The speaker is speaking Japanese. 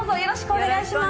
お願いします。